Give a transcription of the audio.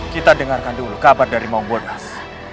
kita dengarkan dulu kabar dari maungbolnas